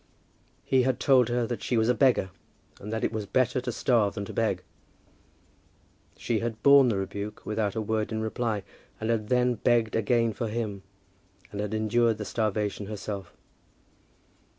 He had told her that she was a beggar, and that it was better to starve than to beg. She had borne the rebuke without a word in reply, and had then begged again for him, and had endured the starvation herself.